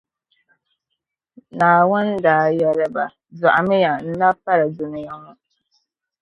"Naawuni daa yɛli ba, “Dɔɣimiya n-nab’ pali dunia ŋɔ."